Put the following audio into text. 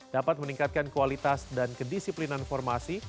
dapat meningkatkan kualitas dan kedisiplinan formasi